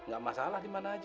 gak masalah dimana aja